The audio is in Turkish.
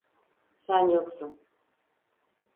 Sen yoksun.